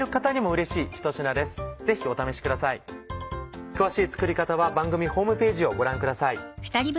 詳しい作り方は番組ホームページをご覧ください。